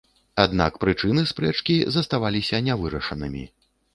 Аднак прычыны спрэчкі заставаліся нявырашанымі.